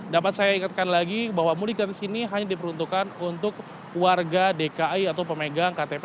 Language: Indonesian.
dapat saya ingatkan lagi bahwa mudik dari sini hanya diperuntukkan untuk warga dki atau pemegang ktp